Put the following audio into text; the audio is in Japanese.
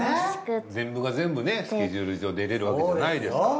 全部が全部ねスケジュール上出られるわけじゃないですから。